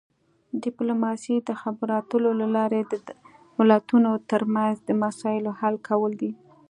ډیپلوماسي د خبرو اترو له لارې د دولتونو ترمنځ د مسایلو حل کول دي